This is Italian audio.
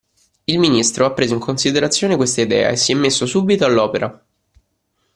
Il ministro ha preso in considerazione questa idea e si è messo subito all'opera.